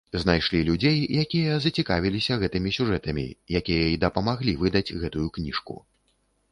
Знайшлі людзей, якія зацікавіліся гэтымі сюжэтамі, якія і дапамаглі выдаць гэтую кніжку.